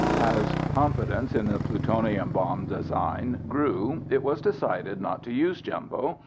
As confidence in the plutonium bomb design grew it was decided not to use Jumbo.